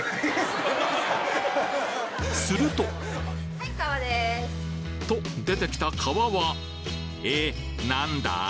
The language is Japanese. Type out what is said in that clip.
するとと出てきた皮はえっ何だ？